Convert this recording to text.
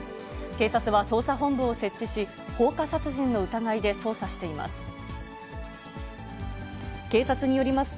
警察は捜査本部を設置し、放火殺人の疑いで捜査しています。